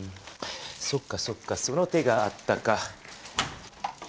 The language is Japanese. そっかそっかその手があったか。